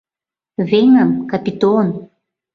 — Веҥым, Капитон!